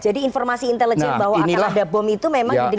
jadi informasi intelijen bahwa akan ada bom itu memang didengar juga oleh